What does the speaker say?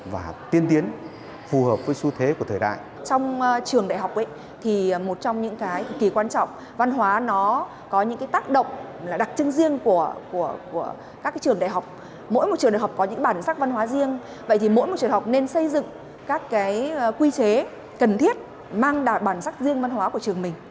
và tiên tiến phù hợp với xu thế của thời đại